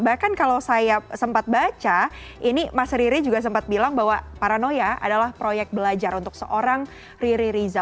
bahkan kalau saya sempat baca ini mas riri juga sempat bilang bahwa paranoia adalah proyek belajar untuk seorang riri riza